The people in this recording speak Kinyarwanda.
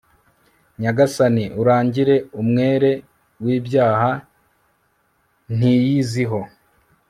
nyagasani, urangire umwere w'ibyaha ntiyiziho